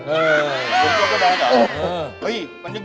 โชเกอร์แบงค์เหรอ